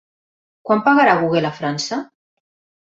Quant pagarà Google a França?